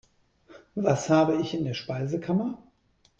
Was habe ich in der Speisekammer?